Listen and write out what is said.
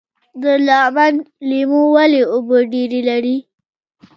د لغمان لیمو ولې اوبه ډیرې لري؟